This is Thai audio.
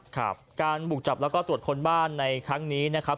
ครับการบุกจับแล้วก็ตรวจคนบ้านในครั้งนี้นะครับ